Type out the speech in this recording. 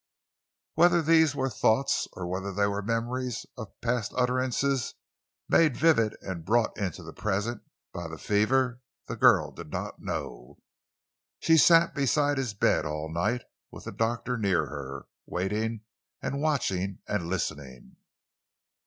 Whether these were thoughts, or whether they were memories of past utterances, made vivid and brought into the present by the fever, the girl did not know. She sat beside his bed all night, with the doctor near her, waiting and watching and listening.